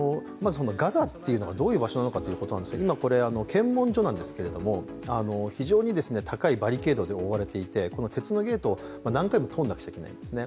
ガザというのがどういう場所なのかということなんですけれども、今、検問所なんですけれども、非常に高いバリケードで覆われていて、鉄のゲートを何回も通らないといけないんですね。